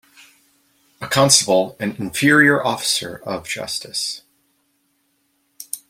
A constable an inferior officer of justice.